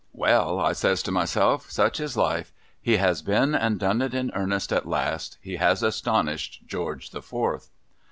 Well, I says to myself, Such is Life ! He has been and done it in earnest at last ! He has astonished George the Fourth